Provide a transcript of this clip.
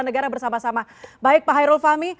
negara bersama sama baik pak hairul fahmi